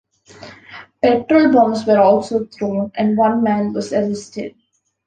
Petrol bombs were also thrown and one man was arrested.